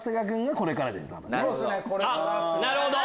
なるほど！